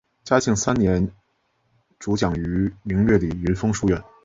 嘉庆三年主讲于明月里云峰书院。